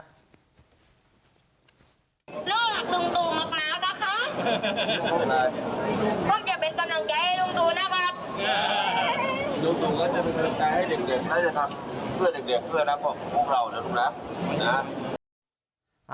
เพื่อนรักกว่าพวกเรานะครับ